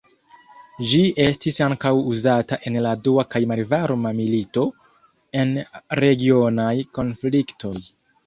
Ĝi estis ankaŭ uzata en la dua kaj malvarma milito, en regionaj konfliktoj.